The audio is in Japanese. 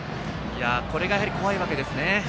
これがやはり怖いわけですね。